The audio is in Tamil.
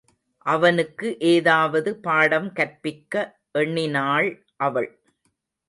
அவனுக்கு ஏதாவது பாடம் கற்பிக்க எண்ணினாள் அவள்.